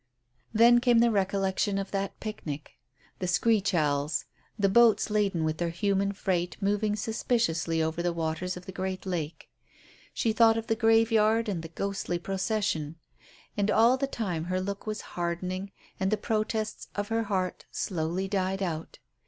Then came the recollection of that picnic. The screech owls; the boats laden with their human freight moving suspiciously over the waters of the great lake. She thought of the graveyard and the ghostly procession. And all the time her look was hardening and the protests of her heart slowly died out.